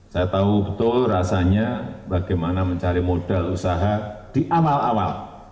saya tahu betul rasanya bagaimana mencari modal usaha di awal awal